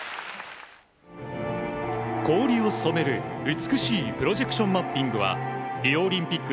氷を染める美しいプロジェクションマッピングはリオオリンピック